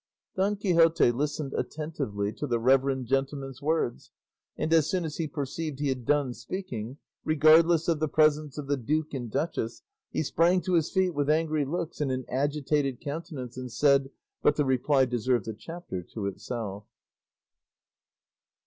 Don Quixote listened attentively to the reverend gentleman's words, and as soon as he perceived he had done speaking, regardless of the presence of the duke and duchess, he sprang to his feet with angry looks and an agitated countenance, and said But the reply deserves a chapter to itself.